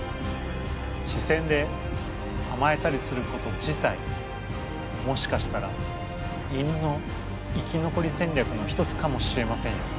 視線であまえたりすること自体もしかしたら犬の生き残り戦略の一つかもしれませんよ。